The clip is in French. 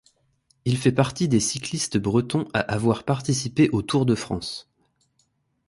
Il fait partie des cyclistes bretons à avoir participé au Tour de France.